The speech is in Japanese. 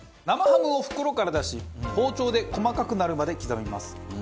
生ハムを袋から出し包丁で細かくなるまで刻みます。